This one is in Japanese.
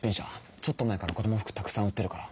ちょっと前から子供服たくさん売ってるから。